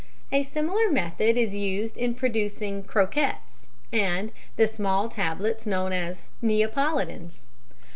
A similar method is used in producing "Croquettes" and the small tablets known as "Neapolitans."